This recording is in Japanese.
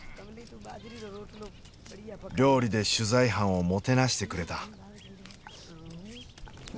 料理で取材班をもてなしてくれた。